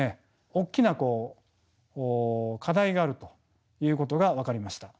大きな課題があるということが分かりました。